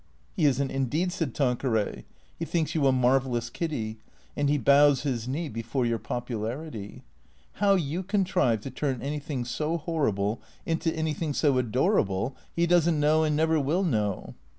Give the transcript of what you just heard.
He is n't, indeed," said Tanqueray. " He thinks you a mar vellous Kiddy; and he bows his knee before your popularity. How you contrive to turn anything so horrible into anything so adorable he does n't know and never will know."